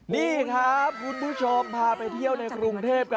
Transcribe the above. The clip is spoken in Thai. นี่ครับคุณผู้ชมพาไปเที่ยวในกรุงเทพกัน